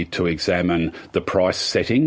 untuk meneliti proses penyelidikan